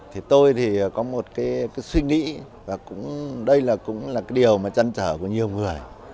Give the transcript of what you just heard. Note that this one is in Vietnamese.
thì tôi thì có một cái suy nghĩ và cũng đây là cũng là cái điều mà chăn trở của nhiều người